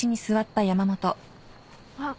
・・あっ